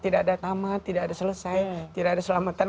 tidak ada tamat tidak ada selesai tidak ada selamatan